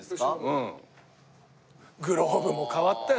グローブも変わったよ。